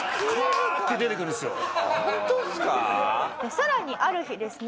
さらにある日ですね